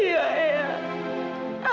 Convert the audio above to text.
itu cuma perasaan kamu aja